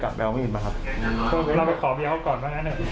ใช่ครับ